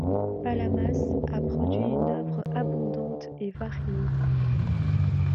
Palamás a produit une œuvre abondante et variée.